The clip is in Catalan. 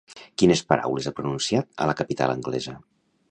Quines paraules ha pronunciat a la capital anglesa?